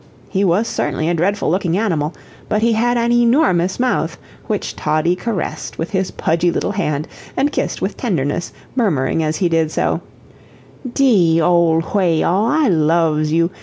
He was certainly a dreadful looking animal, but he had an enormous mouth, which Toddie caressed with his pudgy little hand, and kissed with tenderness, murmuring as he did so: "DEE old whay al, I loves you.